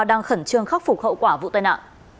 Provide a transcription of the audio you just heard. đang khẩn trương khắc phục hậu quả vụ tai nạn